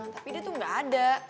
tapi dia tuh gak ada